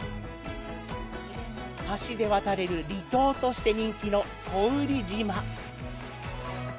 橋で渡れる離島として人気の古宇利島。